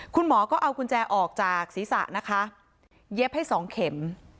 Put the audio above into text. คุณหมอก็เอากุญแจออกจากศีรษะนะคะเย็บให้สองเข็ม